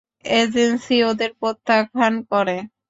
Agency ওদের প্রত্যাখ্যান করে।